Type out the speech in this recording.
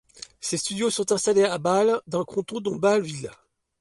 Ses studios sont installés à Bâle, dans le Canton de Bâle-Ville.